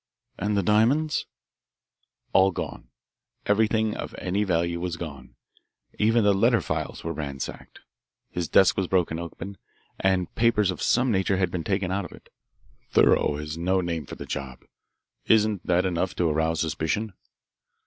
"And the diamonds" "All gone everything of any value was gone. Even the letter files were ransacked. His desk was broken open, and papers of some nature had been taken out of it. Thorough is no name for the job. Isn't that enough to arouse suspicion?"